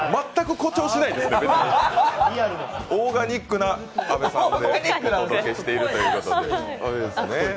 全く誇張しないですね。